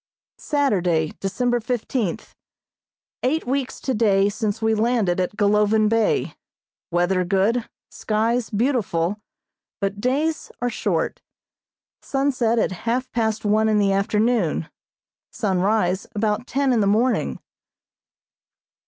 Saturday, December fifteenth: Eight weeks today since we landed at Golovin Bay. Weather good, skies beautiful, but days are short. Sunset at half past one in the afternoon; sunrise about ten in the morning.